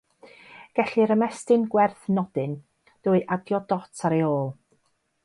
Gellir ymestyn gwerth nodyn drwy adio dot ar ei ôl.